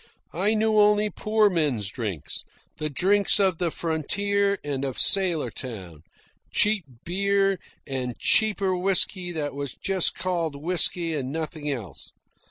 I knew only poor men's drinks, the drinks of the frontier and of sailor town cheap beer and cheaper whisky that was just called whisky and nothing else.